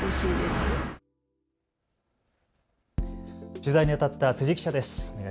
取材にあたった辻記者です。